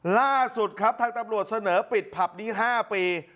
ล่าสุดครับทางตำรวจเสนอปิดผับนี้๕ปี